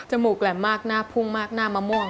มูกแหลมมากหน้าพุ่งมากหน้ามะม่วง